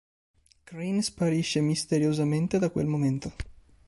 Crane sparisce "misteriosamente" da quel momento.